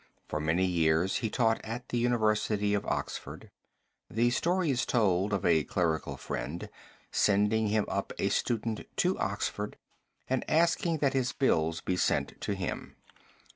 For many years he taught at the University of Oxford. The story is told of a clerical friend sending him up a student to Oxford and asking that his bills be sent to him.